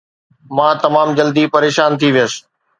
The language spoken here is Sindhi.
مان تمام جلدي پريشان ٿي ويس